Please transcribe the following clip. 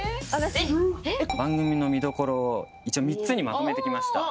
番組の見どころを一応３つにまとめてきました。